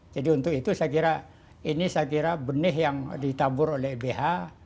jadi untuk itu saya kira ini benih yang ditabur oleh lbh